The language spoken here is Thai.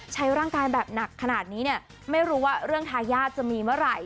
ใช้ร่างกายแบบหนักขนาดนี้เนี่ยไม่รู้ว่าเรื่องทายาทจะมีเมื่อไหร่